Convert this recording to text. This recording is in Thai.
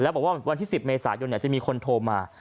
บอกว่าวันที่๑๐เมษายนจะมีคนโทรมา